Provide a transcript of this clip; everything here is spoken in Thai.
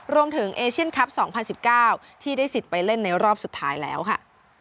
เอเชียนคลับ๒๐๑๙ที่ได้สิทธิ์ไปเล่นในรอบสุดท้ายแล้วค่ะ